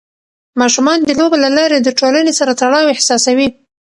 ماشومان د لوبو له لارې د ټولنې سره تړاو احساسوي.